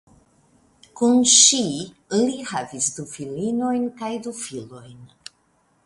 Kun ŝi li havis du filinojn kaj du filojn.